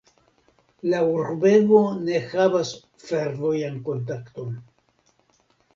La urbego ne havas fervojan kontakton.